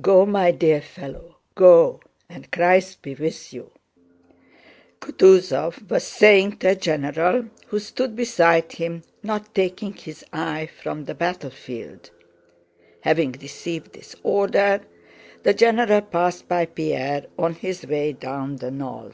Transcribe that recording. "Go, my dear fellow, go... and Christ be with you!" Kutúzov was saying to a general who stood beside him, not taking his eye from the battlefield. Having received this order the general passed by Pierre on his way down the knoll.